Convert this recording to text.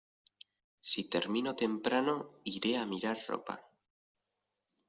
Si termino temprano, iré a mirar ropa.